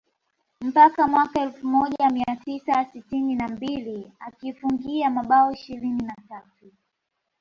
mpaka mwaka elfu moja mia tisa sitini na mbili akiifungia mabao ishirini na tatu